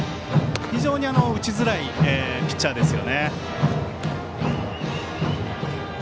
非常に打ちづらいピッチャーですよね。